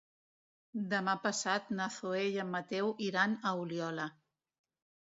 Demà passat na Zoè i en Mateu iran a Oliola.